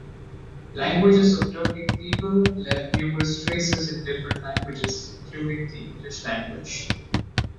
Languages of Turkic peoples left numerous traces in different languages, including the English language.